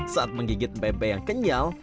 saat menggigit bebek yang kenyal